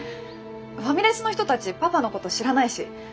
ファミレスの人たちパパのこと知らないし。